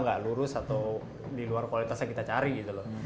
nggak lurus atau di luar kualitasnya kita cari gitu loh